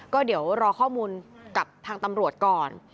ก็เดี๋ยวรอข้อมูลกับทางตำรวจก่อน